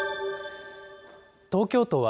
東京都は、